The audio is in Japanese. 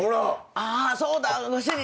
あそうだご主人。